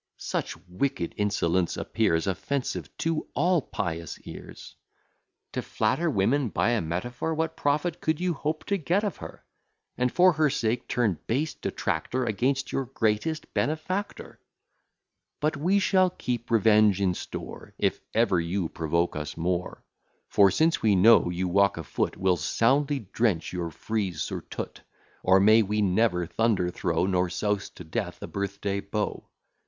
Such wicked insolence appears Offensive to all pious ears. To flatter women by a metaphor! What profit could you hope to get of her? And, for her sake, turn base detractor Against your greatest benefactor. But we shall keep revenge in store If ever you provoke us more: For, since we know you walk a foot, We'll soundly drench your frieze surtout; Or may we never thunder throw, Nor souse to death a birth day beau.